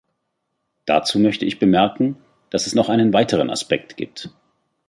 Dazu möchte ich bemerken, dass es noch einen weiteren Aspekt gibt.